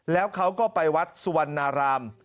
แล้วเขาก็ไปวัดสุวรรณาราม